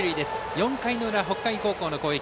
４回の裏、北海高校の攻撃。